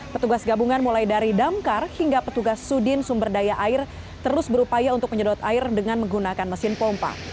petugas gabungan mulai dari damkar hingga petugas sudin sumber daya air terus berupaya untuk menyedot air dengan menggunakan mesin pompa